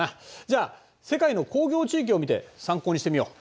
じゃあ世界の工業地域を見て参考にしてみよう。